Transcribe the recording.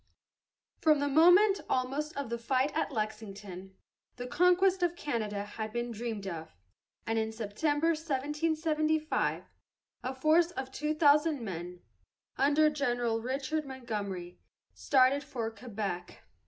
From the moment, almost, of the fight at Lexington, the conquest of Canada had been dreamed of, and in September, 1775, a force of two thousand men, under General Richard Montgomery, started for Quebec.